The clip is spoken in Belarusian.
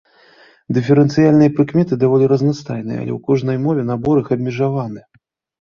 Дыферэнцыяльныя прыкметы даволі разнастайныя, але ў кожнай мове набор іх абмежаваны.